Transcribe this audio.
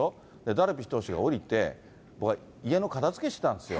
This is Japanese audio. ダルビッシュ投手が降りて、家の片づけしてたんですよ。